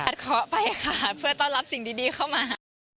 เคาะไปค่ะเพื่อต้อนรับสิ่งดีเข้ามา